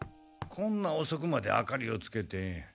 こんなおそくまで明かりをつけて。